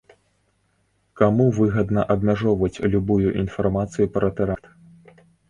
Каму выгадна абмяжоўваць любую інфармацыю пра тэракт?